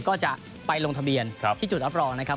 ก็จะไปลงทะเบียนที่จุดรับรองนะครับ